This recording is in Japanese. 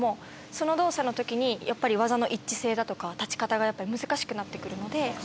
その動作の時にやっぱり技の一致性だとか立ち方が難しくなって来るので。